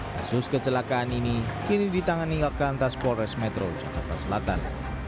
kasus kecelakaan ini kini ditangani laka lantas polres metro jakarta selatan